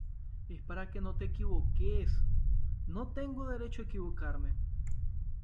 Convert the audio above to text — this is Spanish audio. es para que no te equivoques. ¿ no tengo derecho a equivocarme?